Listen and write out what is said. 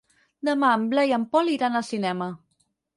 Demà en Blai i en Pol iran al cinema.